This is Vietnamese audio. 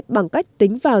bằng cách tính vào